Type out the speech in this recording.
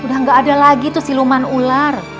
udah gak ada lagi tuh siluman ular